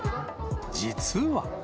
実は。